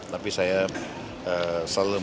tapi saya selalu mencari